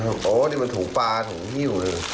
เพิ่มเก็บไว้ได้ที๙๙๙๘